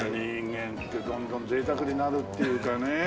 人間ってどんどんぜいたくになるっていうかね。